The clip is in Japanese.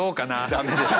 ダメです。